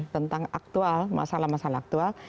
tentang aktual masalah masalah aktual